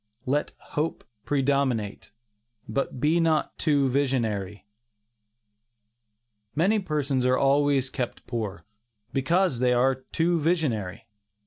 LET HOPE PREDOMINATE, BUT BE NOT TOO VISIONARY. Many persons are always kept poor, because they are too visionary.